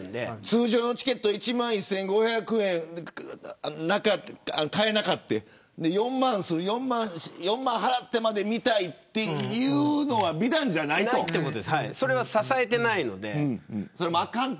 通常のチケット１万１５００円で買えなくて４万払ってまで見たいというのは支えていないので。